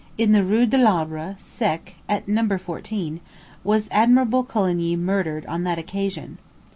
In the Rue de l'Arbre sec, at No. 14, was Admiral Coligny murdered on that occasion.